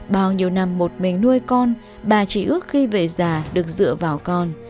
bao nhiêu năm một mình nuôi con bà chỉ ước khi về già được dựa vào con